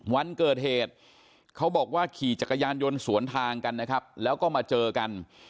วันเกิดเหตุเขาบอกว่าขี่จักรยานยนต์สวนทางกันนะครับแล้วก็มาเจอกัน